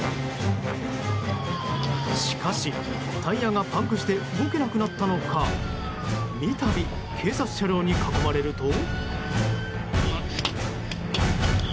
しかし、タイヤがパンクして動けなくなったのか三度、警察車両に囲まれると。